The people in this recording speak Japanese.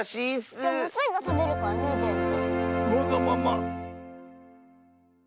スイがたべるからねぜんぶ。